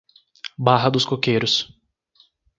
Barra dos Coqueiros